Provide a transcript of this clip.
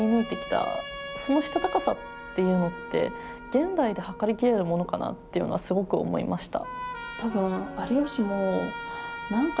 現代で測りきれるものかなっていうのはすごく思いました。